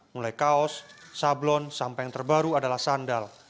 mulai kaos sablon sampai yang terbaru adalah sandal